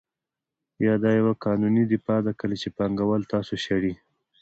یا دا یوه قانوني دفاع ده کله چې پانګوال تاسو شړي